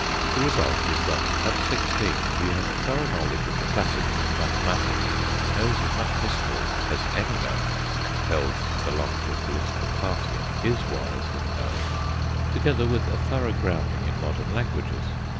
The result is that at sixteen he has a thorough knowledge of the classics and mathematics, knows as much history as any man compelled to belong to a political party is wise in knowing, together with a thorough grounding in modern languages.